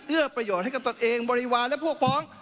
ประโยชน์ให้กับตนเองบริวารและพวกพ้อง